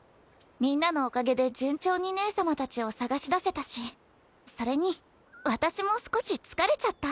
みんなのおかげで順調に姉様たちを捜し出せたしそれに私も少し疲れちゃった。